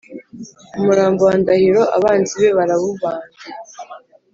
umurambo wa ndahiro abanzi be barawubambye